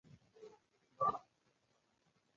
• د علیزي قوم مشران تل د جرګو برخه وي.